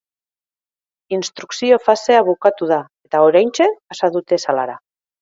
Instrukzio fasea bukatu da eta oraintxe pasa dute salara.